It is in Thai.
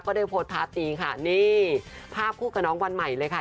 ได้โพสต์ภาพตีค่ะนี่ภาพคู่กับน้องวันใหม่เลยค่ะ